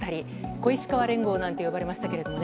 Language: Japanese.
小石河連合なんて呼ばれましたけどもね。